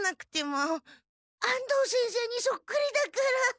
安藤先生にそっくりだから。